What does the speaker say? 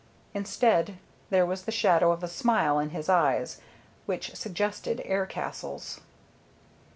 Instead there was the shadow of a smile in his eyes which suggested air castles.